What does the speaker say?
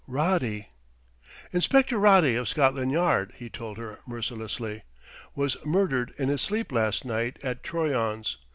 "Roddy !" "Inspector Roddy of Scotland Yard," he told her mercilessly, "was murdered in his sleep last night at Troyon's.